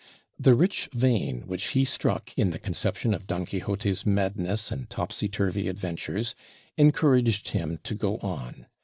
The rich vein which he struck in the conception of Don Quixote's madness and topsy turvy adventures encouraged him to go on.